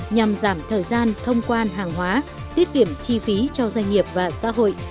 nhằm giảm thời gian thông quan hàng hóa tiết kiệm chi phí cho doanh nghiệp và xã hội